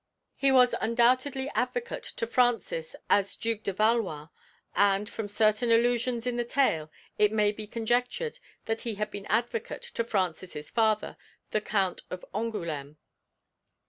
He was undoubtedly advocate to Francis as Duke de Valois, and, from certain allusions in the tale, it may be conjectured that he had been advocate to Francis's father, the Count of Angoulême.